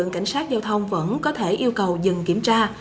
cảnh sát giao thông vẫn có thể yêu cầu dừng kiểm tra